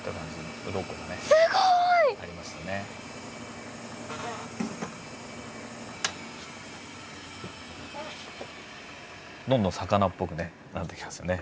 すごい！どんどん魚っぽくねなってきますね。